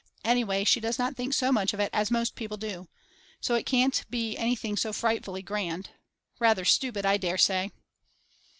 Anyway she does not think so much of it as most people do. So it can't be anything so frightfully grand. Rather stupid I dare say.